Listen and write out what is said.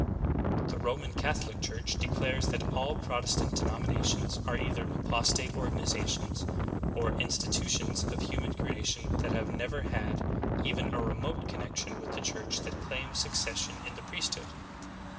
The Roman Catholic Church declares that all Protestant denominations are either apostate organizations, or institutions of human creation that have never had even a remote connection with the church that claims succession in the priesthood.